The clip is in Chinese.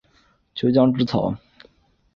俅江芰草